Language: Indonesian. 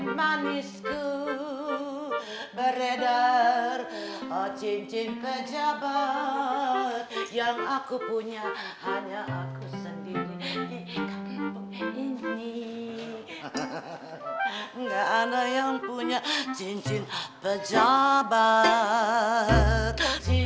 gak ada yang punya cincin pejabat